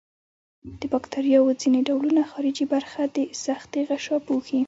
د باکتریاوو ځینې ډولونه خارجي برخه د سختې غشا پوښي.